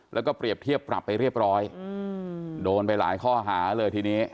แล้วก็เปรียบเทียบปรับไปเรียบร้อยโดนไปหลายข้อหาเลยทีนี้